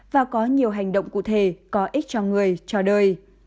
và có nhiều hành động cụ thể có ích cho người cho đời